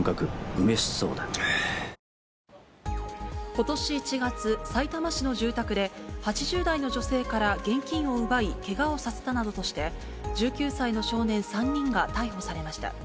ことし１月、さいたま市の住宅で、８０代の女性から現金を奪い、けがをさせたなどとして、１９歳の少年３人が逮捕されました。